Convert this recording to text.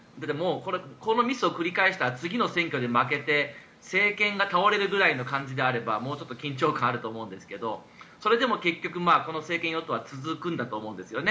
このミスを繰り返した次の選挙で負けて政権が倒れるぐらいの感じであればもうちょっと緊張感があると思うんですがそれでも結局この政権与党は続くと思うんですよね。